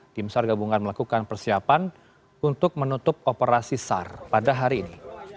tim sar gabungan melakukan persiapan untuk menutup operasi sar pada hari ini